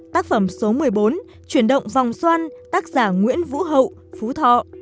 tác phẩm số một mươi bốn chuyển động vòng xoan tác giả nguyễn vũ hậu phú thọ